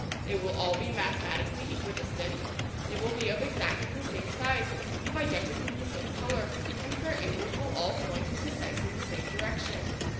They will all be mathematically equidistant; they will be of exactly the same size, of identically the same colour, and their angles will all point in precisely the same direction.